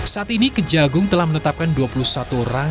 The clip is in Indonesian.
saat ini kejagung telah menetapkan dua puluh satu orang